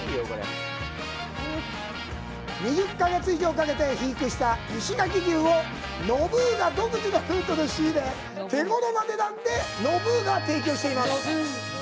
２０か月以上かけて肥育した石垣牛をのぶーが独自のルートで仕入れ、手ごろな値段で提供しています。